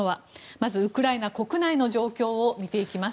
まずウクライナ国内の状況を見ていきます。